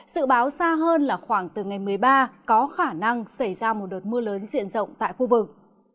sự báo xa hơn là khoảng từ ngày một mươi ba có khả năng xảy ra một đợt mưa lớn diện rộng tại khu vực